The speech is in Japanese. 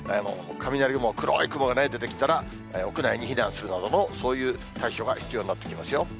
もう雷雲、黒い雲が出てきたら、屋内に避難するなどの、そういう対処が必要になってきますよ。